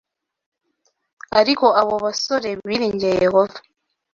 Ariko abo basore biringiye Yehova.